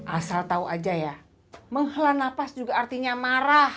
asal tau aja ya menghela nafas juga artinya marah